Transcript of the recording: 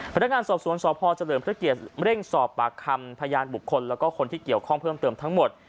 พนักงานสอบสวนสพเฉลิมพระเกียรติเร่งสอบปากคำพยานบุคคลแล้วก็คนที่เกี่ยวข้องเพิ่มเติมทั้งหมด